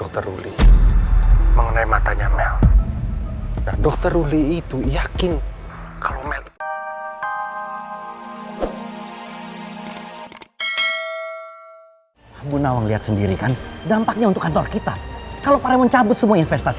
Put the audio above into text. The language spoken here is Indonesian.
terus liat itu yakin kalau matt